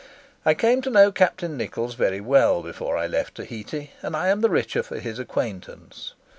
I came to know Captain Nichols very well before I left Tahiti, and I am the richer for his acquaintance.